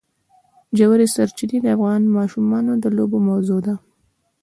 ژورې سرچینې د افغان ماشومانو د لوبو موضوع ده.